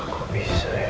kok bisa ya